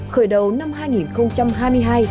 khởi đầu năm hai nghìn hai mươi hai